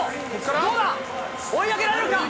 どうだ、追い上げられるか。